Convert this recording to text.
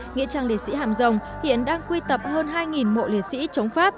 nghĩa trang liệt sĩ hàm rồng hiện đang quy tập hơn hai mộ liệt sĩ chống pháp